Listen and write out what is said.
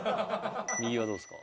右はどうですか？